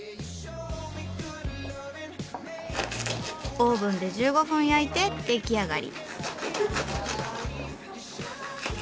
オーブンで１５分焼いて出来上がり。